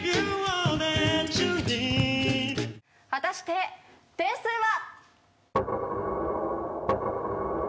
果たして点数は。